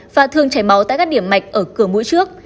và thường chảy máu tại các điểm mạch ở cửa mũi trước